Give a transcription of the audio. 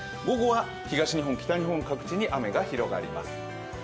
午後は東日本、北日本各地に雨が広がります。